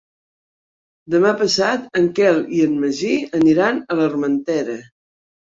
Demà passat en Quel i en Magí aniran a l'Armentera.